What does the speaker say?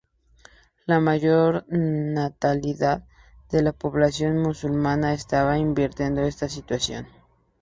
La mayor natalidad de la población musulmana estaba invirtiendo esta situación.